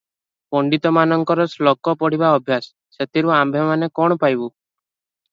ପଣ୍ତିତମାନଙ୍କର ଶ୍ଳୋକ ପଢ଼ିବା ଅଭ୍ୟାସ, ସେଥିରୁ ଆମ୍ଭେମାନେ କ'ଣ ପାଇବୁ?